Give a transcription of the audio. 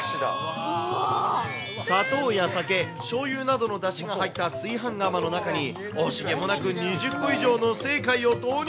砂糖や酒、しょうゆなどのだしが入った炊飯釜の中に惜しげもなく２０個以上の清海を投入。